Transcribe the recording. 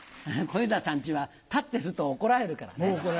小遊三さんちは立ってすると怒られるから。